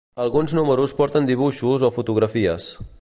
Alguns números porten dibuixos o fotografies.